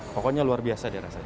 pokoknya luar biasa dia rasanya